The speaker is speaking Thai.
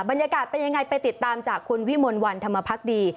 บรรยากาศเป็นยังไงไปติดตามจากคุณวิมลวันธรรมพักดี